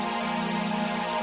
nanti akang suruh orang buat